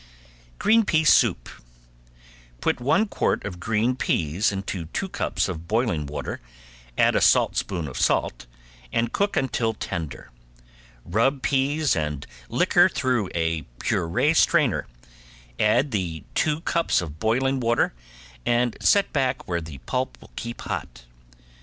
~GREEN PEA SOUP~ Put one quart of green peas into two cups of boiling water, add a saltspoon of salt, and cook until tender. Rub peas and liquor through a puree strainer, add two cups of boiling water, and set back where the pulp will keep hot.